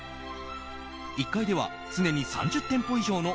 １階では、常に３０店舗以上の